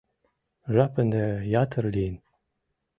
Жап ынде ятыр лийын.